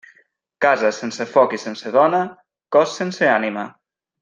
Casa sense foc i sense dona, cos sense ànima.